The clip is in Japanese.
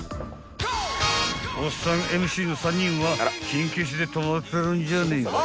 ［おっさんＭＣの３人はキン消しで止まってるんじゃねえかい？］